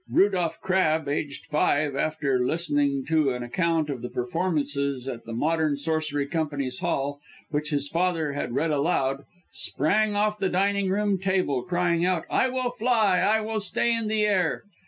Rudolph Crabbe, aged five, after listening to an account of the performances at the Modern Sorcery Company's Hall, which his father had read aloud, sprang off the dining room table crying out "I will fly! I will stay in the air."